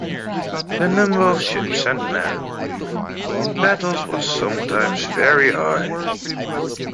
The number of ships and men in battles was sometimes very high.